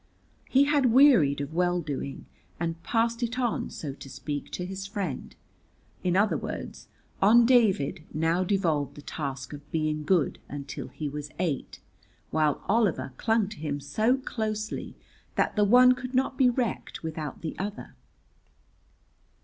He had wearied of well doing, and passed it on, so to speak, to his friend. In other words, on David now devolved the task of being good until he was eight, while Oliver clung to him so closely that the one could not be wrecked without the other.